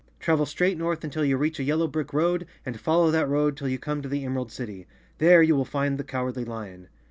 Travel straight north uitil you reach a yellow brick road and follow that road till you come to the Emerald City. There you will find thfe Cowardly Lion."